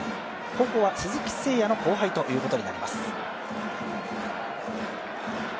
高校は鈴木誠也の後輩ということになります。